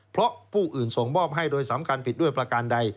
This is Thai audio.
เพราะผู้อื่นส่งมอบให้โดยสำคัญผิดด้วยประการใด